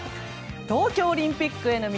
東京オリンピックへの道